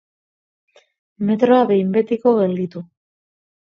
Metroa behin betiko gelditu.